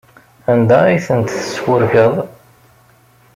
Anda ay tent-tesfurkeḍ?